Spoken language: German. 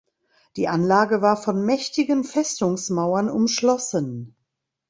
Die Anlage war von mächtigen Festungsmauern umschlossen.